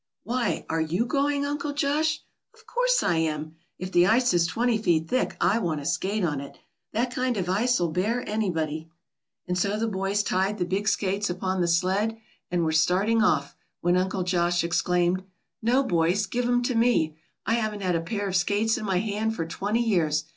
"Why, are you going, Uncle Josh?" "Of course I am. If the ice is twenty feet thick, I want to skate on it. That kind of ice'll bear anybody." And so the boys tied the big skates upon the sled, and were starting off, when Uncle Josh exclaimed: "No, boys, give 'em to me. I haven't had a pair of skates in my hand for twenty years.